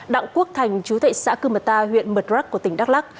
đảng quốc thành chú thị xã cư mật ta huyện mật rắc của tỉnh đắk lắc